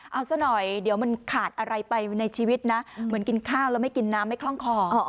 เอาซะหน่อยเดี๋ยวมันขาดอะไรไปในชีวิตนะเหมือนกินข้าวแล้วไม่กินน้ำไม่คล่องคอ